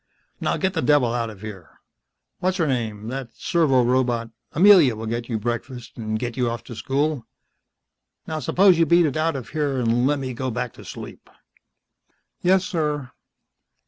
Now get the devil out of here. What's her name that servorobot Amelia will get your breakfast and get you off to school. Now suppose you beat it out of here and let me go back to sleep." "Yes, Sir."